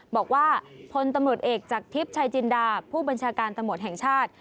บอกว่าพลตมอตเนกจากทิพย์ชายจินดาผู้บัญชาการตมอตแห่งชาติ